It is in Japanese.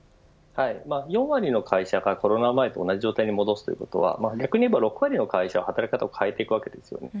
４割の会社が、コロナ前と同じ状態に戻すということは逆に言えば６割の会社は働き方を変えていくわけですね。